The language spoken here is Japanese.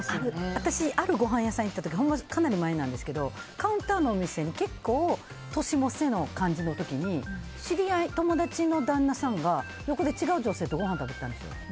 私、あるごはん屋さん行った時かなり前なんですけどカウンターのお店に結構年の瀬の感じの時に友達の旦那さんが横で違う女性とごはん食べてたんですよ。